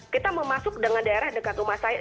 kita mau masuk dengan daerah dekat rumah saya